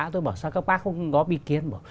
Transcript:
tôi bảo sao các bác không có bi kiến